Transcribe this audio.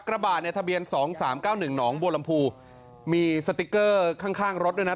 กระบาดในทะเบียน๒๓๙๑หนองบัวลำพูมีสติกเกอร์ข้างรถด้วยนะ